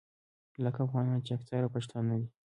لکه افغانان چې اکثره پښتانه دي.